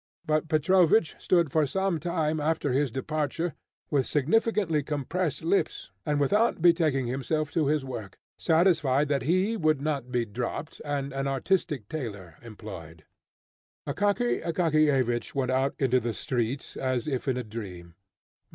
But Petrovich stood for some time after his departure, with significantly compressed lips, and without betaking himself to his work, satisfied that he would not be dropped, and an artistic tailor employed. Akaky Akakiyevich went out into the street as if in a dream.